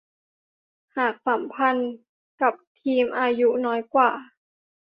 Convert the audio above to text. หากสัมพันธ์กับทีมอายุน้อยกว่า